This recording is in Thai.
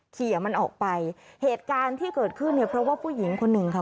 ขี่มันออกไปเหตุการณ์ที่เกิดขึ้นเนี่ยเพราะว่าผู้หญิงคนหนึ่งค่ะ